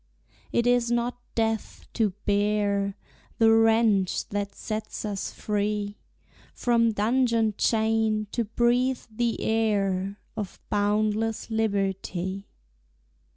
It is not death to bear The wrench that sets us free From dungeon chain, to breathe the air Of boundless liberty.